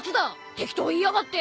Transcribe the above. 適当言いやがって！